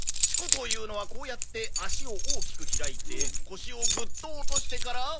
四股というのはこうやって足を大きく開いて腰をグッと落としてから。